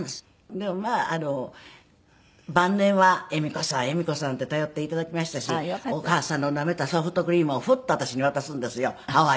でもまあ晩年は「恵美子さん恵美子さん」って頼って頂きましたしお義母さんのなめたソフトクリームをフッと私に渡すんですよハワイで。